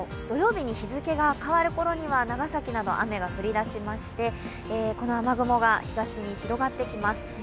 土曜日に日付が変わる頃には、長崎など、雨が降り出しましてこの雨雲が東に広がってきます。